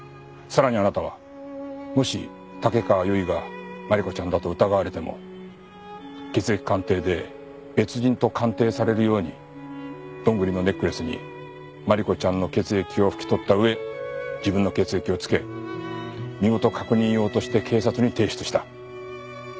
さらにあなたはもし竹川由衣が真梨子ちゃんだと疑われても血液鑑定で別人と鑑定されるようにどんぐりのネックレスに真梨子ちゃんの血液を拭き取ったうえ自分の血液をつけ身元確認用として警察に提出した。